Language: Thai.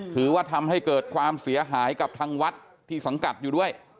ถือว่าทำให้เกิดความเสียหายกับทางวัดที่สังกัดอยู่ด้วย